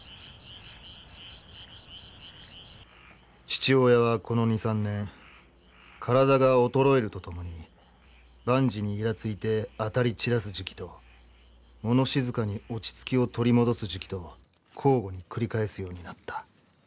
「父親はこの二三年、身体がおとろえるとともに、万事にいらついて当たり散らす時期と、物静かにおちつきをとり戻す時期と、交互にくりかえすようになった。